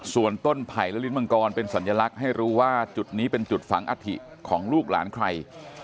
ส่วนต้นไผ่และลิ้นมังกรเป็นสัญลักษณ์ให้รู้ว่าจุดนี้เป็นจุดฝังอัฐิของลูกหลานใคร